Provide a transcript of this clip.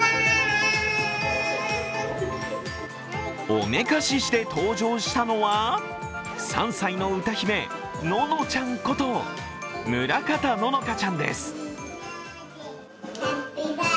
おめかしして登場したのは３歳の歌姫、ののちゃんこと村方乃々佳ちゃんです。